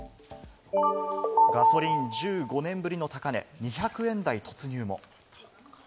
ガソリン１５年ぶりの高値、２００円台突入も。